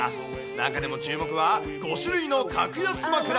中でも注目は５種類の格安枕。